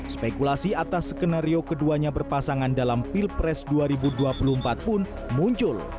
spekulasi atas skenario keduanya berpasangan dalam pilpres dua ribu dua puluh empat pun muncul